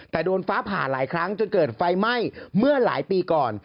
แต่โดนฟ้าผ่าหลายครั้งจนเกิดไฟไหม้เมื่อหลายปีก่อน